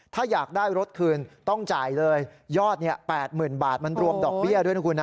ถ้าอยากได้รถคืนต้องจ่ายเลยยอด๘๐๐๐บาทมันรวมดอกเบี้ยด้วยนะคุณนะ